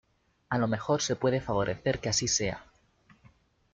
A lo mejor se puede favorecer que así sea.